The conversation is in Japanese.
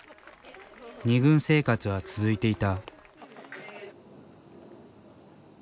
２軍生活は続いていた。